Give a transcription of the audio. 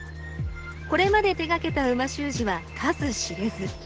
これまで手がけた美味しゅう字は数知れず。